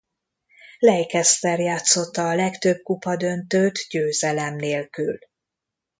Leicester játszotta a legtöbb kupadöntőt győzelem nélkül.